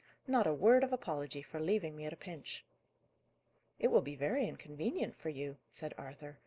Not a word of apology, for leaving me at a pinch." "It will be very inconvenient for you," said Arthur.